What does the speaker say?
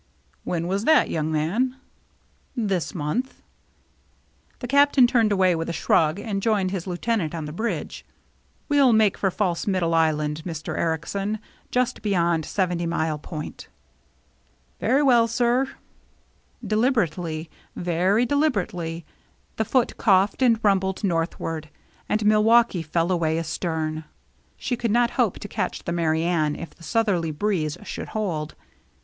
" When was that, young man ?"" This month." The Captain turned away with a shrug, and joined his lieutenant on the bridge. "We'll make for False Middle Island, Mr. Ericsen, just beyond Seventy Mile Point." " Very well, sir." Deliberately, very deliberately, the Foote coughed and rumbled northward, and Mil waukee fell away astern. She could not hope to catch the Merry Anne if the southerly breeze should hold.